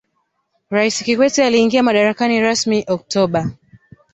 raisi kikwete aliingia madarakani rasmi oktoba